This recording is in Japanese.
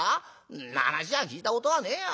んな話は聞いたことはねえや。